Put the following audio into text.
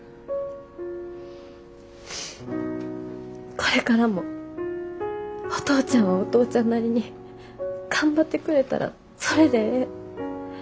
これからもお父ちゃんはお父ちゃんなりに頑張ってくれたらそれでええ。